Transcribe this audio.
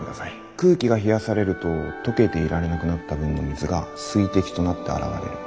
空気が冷やされると溶けていられなくなった分の水が水滴となって現れる。